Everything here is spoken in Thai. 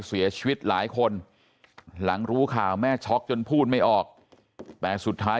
เสียชีวิตหลายคนหลังรู้ข่าวแม่ช็อกจนพูดไม่ออกแต่สุดท้าย